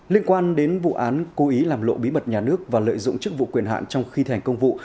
liên quan đến vụ án cố ý làm lộ bí mật nhà nước và lợi dụng chức vụ quyền hạn trong khi thành công vụ